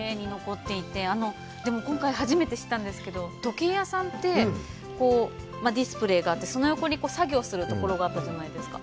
でも、今回、初めて知ったんですけど、時計屋さんってディスプレイがあって、その横に作業をするところがあったんじゃないですか。